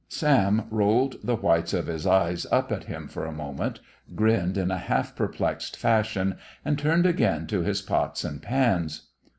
Sam rolled the whites of his eyes up at him for a moment, grinned in a half perplexed fashion, and turned again to his pots and pans.